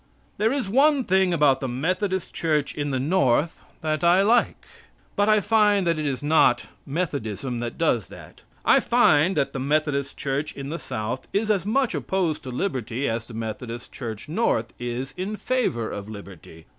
There is one thing about the Methodist Church in the North that I like. But I find that it is not Methodism that does that. I find that the Methodist Church in the South is as much opposed to liberty as the Methodist Church North is in favor of liberty.